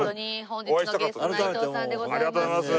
本日のゲスト内藤さんでございます。